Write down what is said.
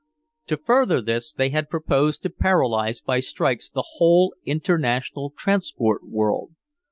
To further this they had proposed to paralyze by strikes the whole international transport world.